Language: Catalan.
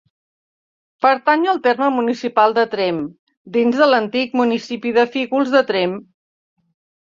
Pertany al terme municipal de Tremp, dins de l'antic municipi de Fígols de Tremp.